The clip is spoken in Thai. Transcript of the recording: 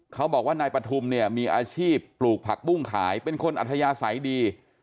เขาบอกว่านายปฐุมเนี่ยมีอาชีพปลูกผักบุ้งขายเป็นคนอัธยาศัยดี